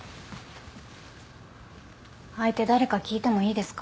相手誰か聞いてもいいですか？